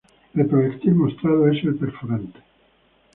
El proyectil mostrado es el perforante.